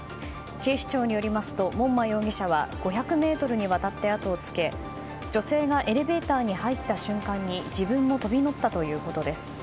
警視庁によりますと門馬容疑者は５００ｍにわたって跡をつけ女性がエレベーターに入った瞬間に自分も飛び乗ったということです。